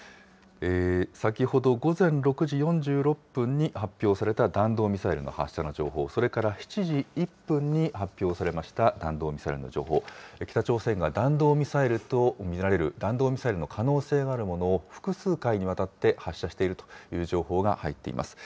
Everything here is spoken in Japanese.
先ほど午前６時４６分に発表された弾道ミサイルの発射の情報、それから７時１分に発表されました弾道ミサイルの情報、北朝鮮が弾道ミサイルと見られる、弾道ミサイルの可能性があるものを複数回にわたって、発射しているという情報が入っています。